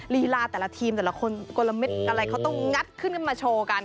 ลีลาแต่ละทีมแต่ละคนกลมอะไรเขาต้องงัดขึ้นขึ้นมาโชว์กัน